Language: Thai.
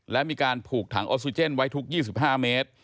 และมีการผูกถังออกซิเจนไว้ทุก๒๕เมตร